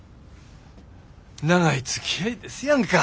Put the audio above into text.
長いつきあいですやんか。